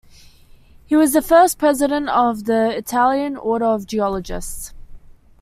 He was the first president of the Italian Order of Geologists.